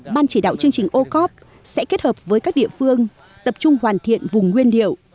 ban chỉ đạo chương trình o cop sẽ kết hợp với các địa phương tập trung hoàn thiện vùng nguyên điệu